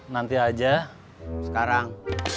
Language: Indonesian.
nanti aja sekarang